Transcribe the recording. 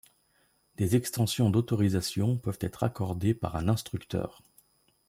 Des extensions d'autorisation peuvent être accordées par un instructeur.